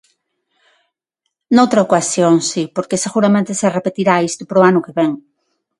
Noutra ocasión, si, porque seguramente se repetirá isto para o ano que vén.